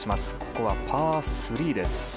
ここはパー３です。